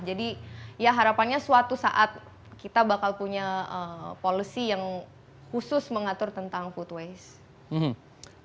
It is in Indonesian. jadi ya harapannya suatu saat kita bakal punya policy yang khusus mengatur tentang food waste